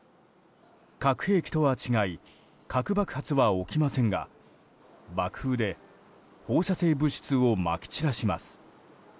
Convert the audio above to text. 核兵器とは違い核爆発は起きませんが爆風で放射性物質をまき散らします。